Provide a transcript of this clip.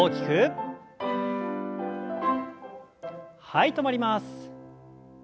はい止まります。